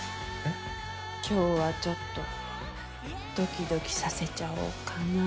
今日はちょっとドキドキさせちゃおうかな。